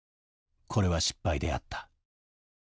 これは失敗であった。